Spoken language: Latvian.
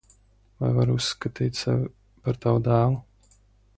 Vai varu uzskatīt sevi par tavu dēlu?